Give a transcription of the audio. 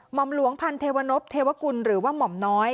หมอมหลวงพันเทวนพเทวกุลหรือว่าหม่อมน้อย